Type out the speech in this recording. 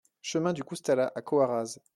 Chemin du Coustalat à Coarraze